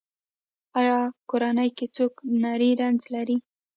ایا کورنۍ کې څوک نری رنځ لري؟